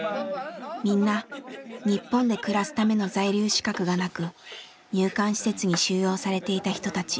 みんな日本で暮らすための在留資格がなく入管施設に収容されていた人たち。